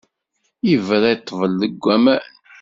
Ibra i ṭṭbel deg waman.